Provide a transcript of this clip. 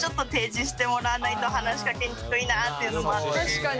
確かに。